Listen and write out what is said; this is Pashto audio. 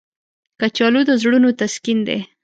کچالو د زړونو تسکین دی